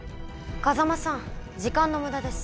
風真さん時間の無駄です